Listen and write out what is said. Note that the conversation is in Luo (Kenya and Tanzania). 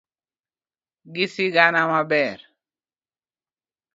gi sigana maber